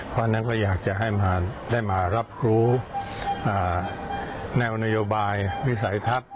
เพราะฉะนั้นก็อยากจะให้ได้มารับรู้แนวนโยบายวิสัยทัศน์